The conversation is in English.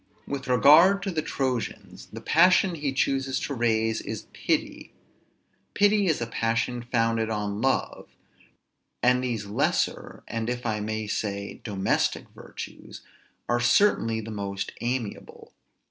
With regard to the Trojans, the passion he chooses to raise is pity; pity is a passion founded on love; and these lesser, and if I may say domestic virtues, are certainly the most amiable.